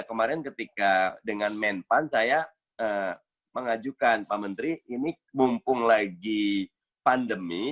kemarin ketika dengan menpan saya mengajukan pak menteri ini mumpung lagi pandemi